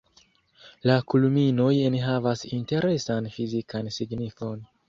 La kulminoj enhavas interesan fizikan signifon.